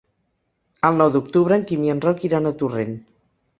El nou d'octubre en Quim i en Roc iran a Torrent.